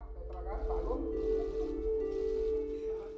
kembali ke perangkat pak rum